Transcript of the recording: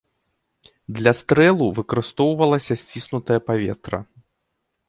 Для стрэлу выкарыстоўвалася сціснутае паветра.